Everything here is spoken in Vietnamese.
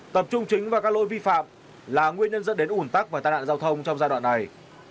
tập trung chính vào các lỗi vi phạm là nguyên nhân dẫn đến ủn tắc và tai nạn giao thông trong giai đoạn này